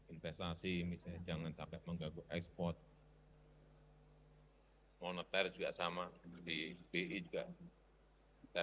investasi misalnya jangan sampai mengganggu ekspor moneter juga sama di bi juga kita